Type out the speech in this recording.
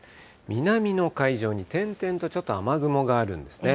南の海上に点々とちょっと雨雲があるんですね。